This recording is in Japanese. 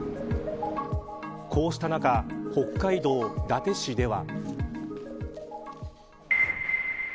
こうした中、北海道伊達市では。